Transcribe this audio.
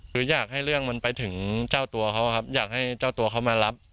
คืออยากให้เรื่องมันไปถึงเจ้าตัวเขาครับอยากให้เจ้าตัวเขามารับ